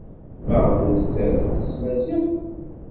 Maɣef ur t-tettarumt s tmaziɣt?